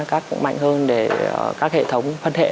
các mạnh hơn để các hệ thống phân hệ